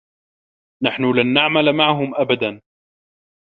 نحن لن نعمل معهم أبدا.